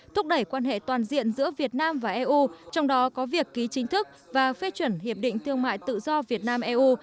thúc đẩy quan hệ toàn diện giữa việt nam và eu trong đó có việc ký chính thức và phê chuẩn hiệp định thương mại tự do việt nam eu